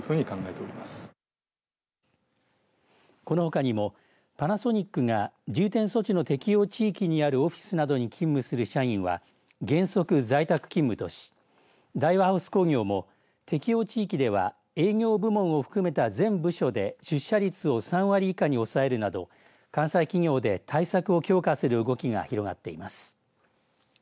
このほかにもパナソニックが重点措置の適用地域にあるオフィスなどに勤務する社員は原則、在宅勤務とし大和ハウス工業も適用地域では営業部門を含めた全部署で出社率を３割以下に抑えるなど関西企業で対策を強化する動きが広がっています。